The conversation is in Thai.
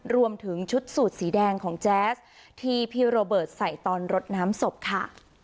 รวมถึงชุดสูตรสีแดงของแจ๊สที่พี่โรเบิร์ตใส่ตอนรดน้ำศพค่ะ